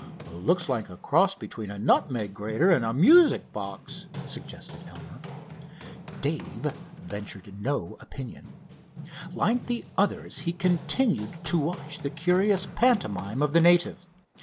"Looks like a cross between a nutmeg grater and a music box," suggested Elmer. Dave ventured no opinion. Like the others he continued to watch the curious pantomime of the native.